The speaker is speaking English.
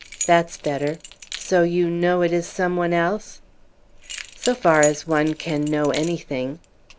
That's better. So you know it is some one else?" "So far as one can know anything."